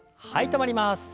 止まります。